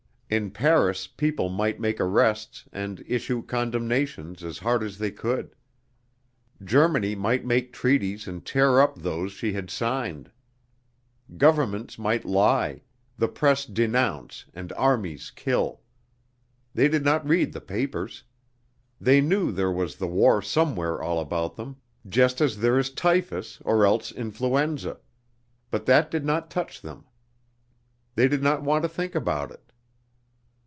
In Paris people might make arrests and issue condemnations as hard as they could. Germany might make treaties and tear up those she had signed. Governments might lie, the press denounce and armies kill. They did not read the papers. They knew there was the war somewhere all about them, just as there is typhus or else influenza; but that did not touch them; they did not want to think about it.